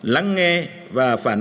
lắng nghe và phản ứng